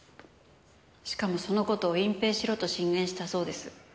しかもその事を隠蔽しろと進言したそうです。